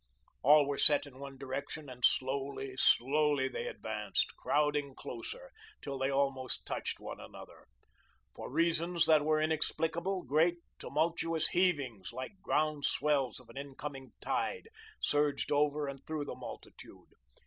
All were set in one direction and slowly, slowly they advanced, crowding closer, till they almost touched one another. For reasons that were inexplicable, great, tumultuous heavings, like ground swells of an incoming tide, surged over and through the multitude.